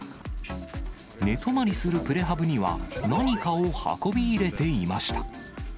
寝泊まりするプレハブには、何かを運び入れていました。